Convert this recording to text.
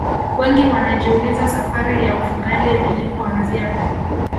wengi wanajiuliza safari ya mfugale ilipoanzia